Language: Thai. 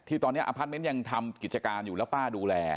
ตอนนี้อพาร์ทเมนต์ยังทำกิจการอยู่แล้วป้าดูแล